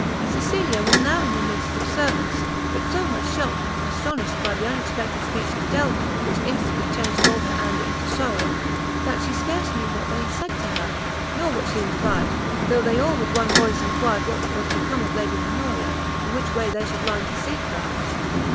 Cecilia was now in the midst of servants; but so much shocked and astonished by the unexpected speech of Delvile, which instantly changed all her anger into sorrow, that she scarce knew what they said to her, nor what she replied; though they all with one voice enquired what was become of Lady Honoria, and which way they should run to seek her.